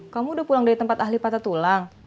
kamu udah pulang dari tempat ahli patah tulang